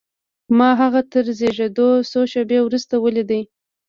ما هغه تر زېږېدو څو شېبې وروسته وليد.